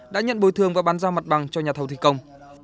đã nhận bồi thường và bàn giao mặt bằng cho nhà thầu thi công